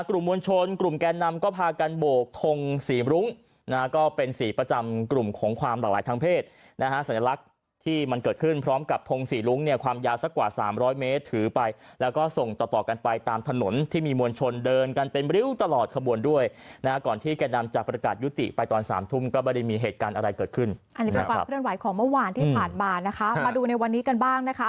กลุ่มมวลชนกลุ่มแก่นำก็พากันบวกทง๔ลุ้งนะฮะก็เป็นสีประจำกลุ่มของความหลากหลายทางเพศนะฮะสัญลักษณ์ที่มันเกิดขึ้นพร้อมกับทง๔ลุ้งเนี่ยความยาสักกว่า๓๐๐เมตรถือไปแล้วก็ส่งต่อกันไปตามถนนที่มีมวลชนเดินกันเป็นบริ้วตลอดขบวนด้วยนะฮะก่อนที่แก่นำจะประกาศยุติไปตอน